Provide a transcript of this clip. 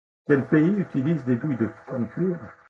Quelques pays utilisent des douilles en cuivre.